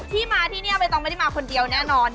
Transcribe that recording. ที่มาที่นี่ใบตองไม่ได้มาคนเดียวแน่นอน